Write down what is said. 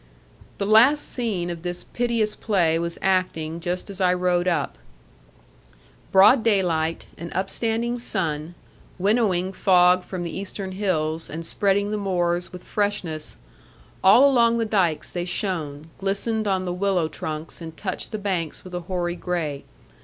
The last scene of this piteous play was acting, just as I rode up. Broad daylight, and upstanding sun, winnowing fog from the eastern hills, and spreading the moors with freshness; all along the dykes they shone, glistened on the willow trunks, and touched the banks with a hoary gray.